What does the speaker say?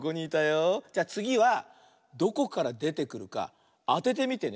じゃあつぎはどこからでてくるかあててみてね。